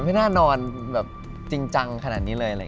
ไม่น่านอนแบบจริงจังขนาดนี้เลย